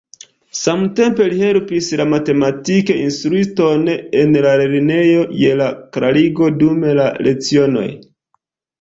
Samtempe li helpis la matematik-instruiston en la lernejo je la klarigoj dum la lecionoj.